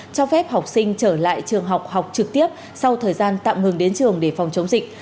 cho phép học sinh trở lại trường học học trực tiếp sau thời gian tạm ngừng đến trường để phòng chống dịch